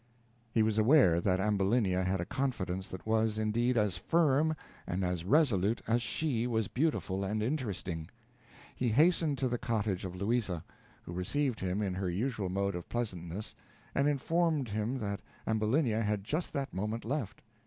He was aware that Ambulinia had a confidence that was, indeed, as firm and as resolute as she was beautiful and interesting. He hastened to the cottage of Louisa, who received him in her usual mode of pleasantness, and informed him that Ambulinia had just that moment left.